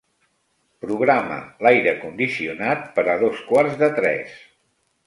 Programa l'aire condicionat per a dos quarts de tres.